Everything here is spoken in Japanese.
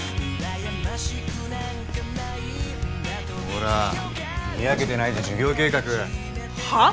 ほらにやけてないで授業計画はあ！？